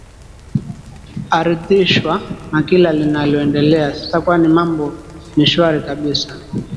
aridhishwa na kila linaloendelea sasa kwani mambo ni shwari kabisa